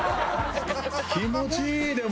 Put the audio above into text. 気持ちいいでも。